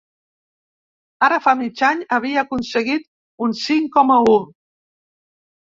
Ara fa mig any havia aconseguit un cinc coma u.